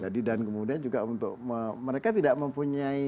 jadi dan kemudian juga untuk mereka tidak mempunyai bayar